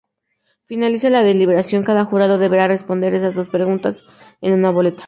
Finalizada la deliberación, cada jurado deberá responder a esas dos preguntas en una boleta.